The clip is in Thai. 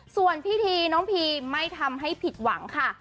ส่วนพิธีน้องพีไม่ทำให้ผิดหวังค่ะ